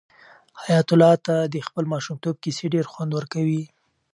حیات الله ته د خپل ماشومتوب کیسې ډېر خوند ورکوي.